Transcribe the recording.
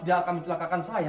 dia akan mencelakakan saya